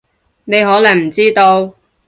你可能唔知道